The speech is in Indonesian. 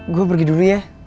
gue pergi dulu ya